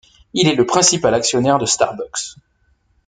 Il est le principal actionnaire de Starbucks.